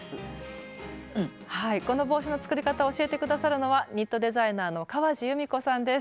この帽子の作り方を教えて下さるのはニットデザイナーの川路ゆみこさんです。